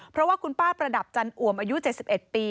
เพราะว่าคุณป้าประดับจันอ่วมอายุ๗๑ปี